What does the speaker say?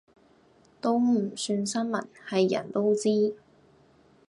都唔算新聞，係人都知